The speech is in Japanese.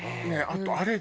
あとあれ。